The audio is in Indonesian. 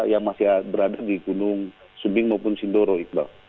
yang masih berada di gunung subing maupun sindoro iqbal